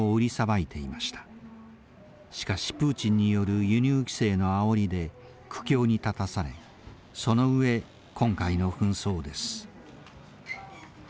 しかしプーチンによる輸入規制のあおりで苦境に立たされその上今回の紛争です。